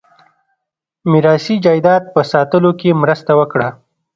میراثي جایداد په ساتلو کې مرسته وکړه.